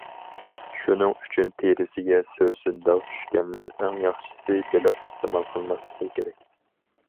شۇنىڭ ئۈچۈن تېرىسىگە سۆسۈن داغ چۈشكەنلەر ئەڭ ياخشىسى بېلىق ئىستېمال قىلماسلىقى كېرەك.